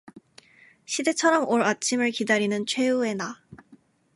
시대처럼 올 아침을 기다리는 최후의 나